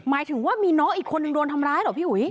หมายถึงว่ามีน้องอีกคนนึงโดนทำร้ายเหรอพี่อุ๋ย